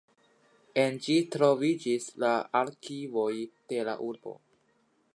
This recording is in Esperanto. En ĝi troviĝis la arkivoj de la urbo.